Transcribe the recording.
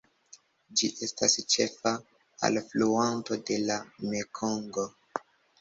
Ĝi estas ĉefa alfluanto de la Mekongo.